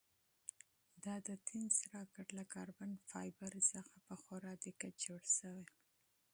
دا د تېنس راکټ له کاربن فایبر څخه په خورا دقت جوړ شوی.